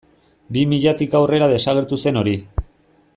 Bi milatik aurrera desagertu zen hori.